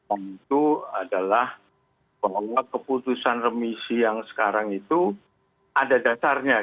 itu adalah bahwa keputusan remisi yang sekarang itu ada dasarnya